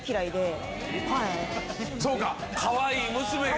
そうかかわいい娘が。